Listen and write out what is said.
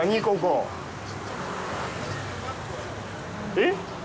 えっ？